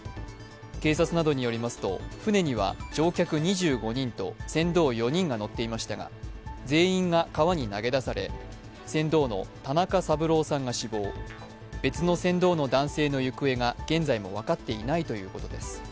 警察などによりますと、舟には乗客２５人と船頭４人が乗っていましたが、全員が川に投げ出され、船頭の田中三郎さんが死亡、別の船頭の男性の行方が現在も分かっていないということです。